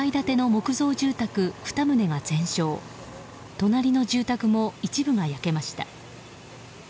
隣の住宅も一部が焼けました。